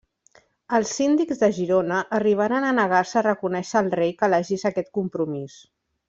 Els síndics de Girona arribaren a negar-se a reconèixer el rei que elegís aquest Compromís.